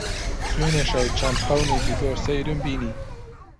دوێنێ شەو چەند خەونێکی زۆر سەیرم بینی.